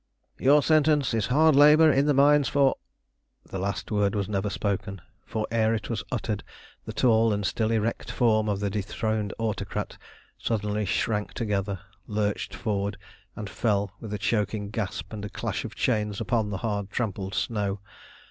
"Your sentence is hard labour in the mines for" The last word was never spoken, for ere it was uttered the tall and still erect form of the dethroned Autocrat suddenly shrank together, lurched forward, and fell with a choking gasp and a clash of chains upon the hard trampled snow.